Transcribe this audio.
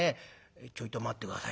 「ちょいと待って下さいよ。